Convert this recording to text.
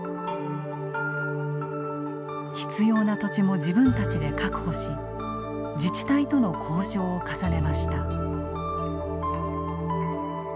必要な土地も自分たちで確保し自治体との交渉を重ねました。